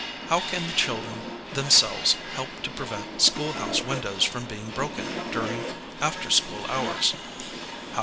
"How can the children themselves help to prevent schoolhouse windows from being broken during after school hours?'"